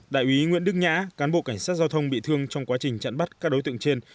đại úy nguyễn đức nhã cán bộ cảnh sát giao thông bị thương trong quá trình chặn bắt các đối tượng trên